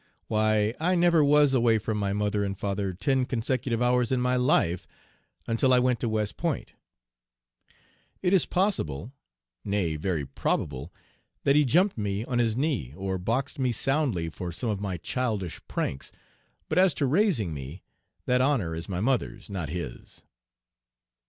Why, I never was away from my mother and father ten consecutive hours in my life until I went to West Point. It is possible, nay, very probable, that he jumped me on his knee, or boxed me soundly for some of my childish pranks, but as to raising me, that honor is my mother's, not his.